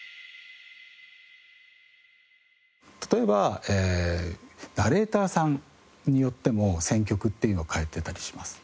例えばナレーターさんによっても選曲っていうのを変えていたりします。